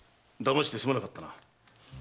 だましてすまなかったな。